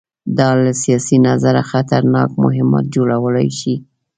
دا له سیاسي نظره خطرناک مهمات جوړولی شي.